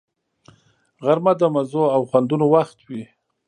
غرمه د مزو او خوندونو وخت وي